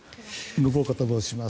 信岡と申します。